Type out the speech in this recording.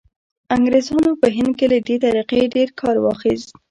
انګریزانو په هند کې له دې طریقې ډېر کار واخیست.